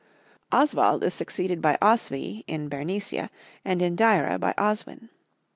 Oswald is succeeded by Oswy in Bernicia and in Deira by Oswin.